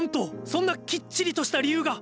そんなきっちりとした理由が。